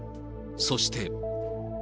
そして。